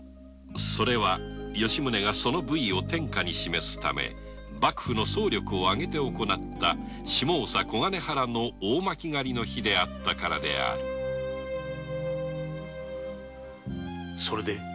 それは吉宗がその武威を天下に示すため幕府の総力を上げて行った下総の小金原の大巻狩の日であったからであるそれで？